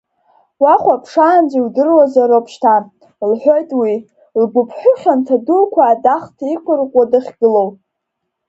Уахәаԥшаанӡа иудыруазароуп шьҭа, — лҳәоит уи, лгәыԥҳәы хьанҭа дуқәа адахҭа иқәырӷәӷәа дахьгылоу.